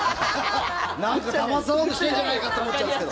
なんかだまそうとしてんじゃないかって思っちゃうんですけど。